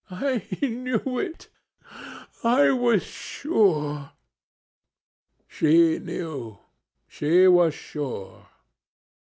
'I knew it I was sure!' ... She knew. She was sure.